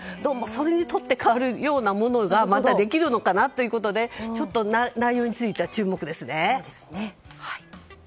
それに取って代わるものがまたできるのかなということで内容については注目ですね。